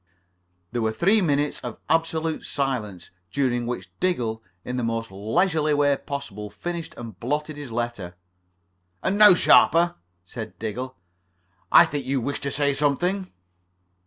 There were three minutes of absolute silence during which Diggle, in the most leisurely way possible, finished and blotted his letter. "And now, Sharper," said Diggle, "I think you wished to say something."